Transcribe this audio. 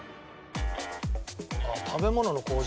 あっ食べ物の工場。